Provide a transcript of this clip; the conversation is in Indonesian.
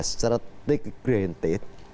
secara take granted